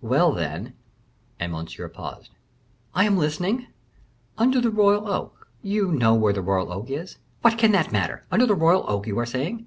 "Well, then " and Monsieur paused. "I am listening." "Under the royal oak you know where the royal oak is?" "What can that matter? Under the royal oak, you were saying?"